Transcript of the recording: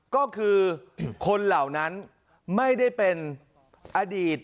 ก็คือคนเหล่านั้นไม่ได้เป็นอดีต